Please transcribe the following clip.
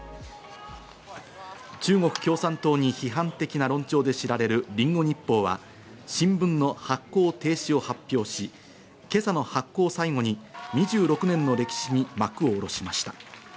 中国共産党に批判的な論調で知られるリンゴ日報は新聞の発行停止を発表し、今朝の発行を最後に２６年の歴史に幕を下ろしました。